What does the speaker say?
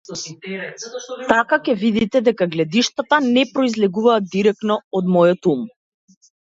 Така ќе видите дека гледиштата не произлегуваат дирекно од мојот ум.